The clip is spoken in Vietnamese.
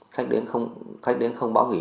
khách đến không báo nghỉ